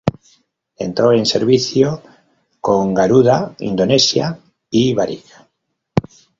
Entró en servicio con Garuda Indonesia y Varig.